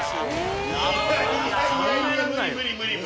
いやいやいや無理無理無理。